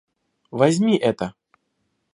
Возьми это